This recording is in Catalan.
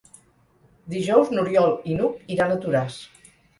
Dijous n'Oriol i n'Hug iran a Toràs.